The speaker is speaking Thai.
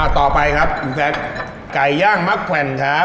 ต่อไปครับแก่ย่างมะแขวนครับ